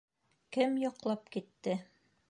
Кем йоҡлап китте?